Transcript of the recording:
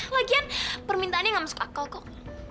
lagian permintaannya gak masuk akal kok